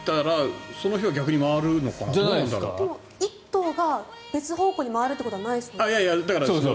１頭が別方向に回ることはないそうです。